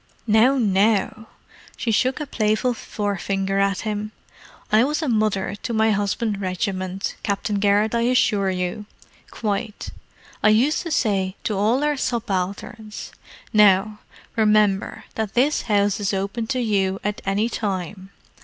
"Now, now!" She shook a playful forefinger at him. "I was a mother to my husband's regiment, Captain Garrett, I assure you. Quite. I used to say to all our subalterns, 'Now, remember that this house is open to you at any time.